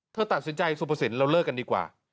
เธอตัดสินใจสุภสินเราเลิกกันดีกว่า